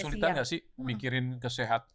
sulit nggak sih mikirin kesehatan